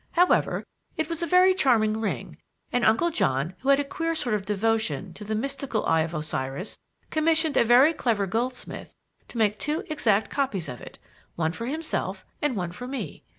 However, it was a very charming ring, and Uncle John, who had a queer sort of devotion to the mystical eye of Osiris, commissioned a very clever goldsmith to make two exact copies of it, one for himself and one for me.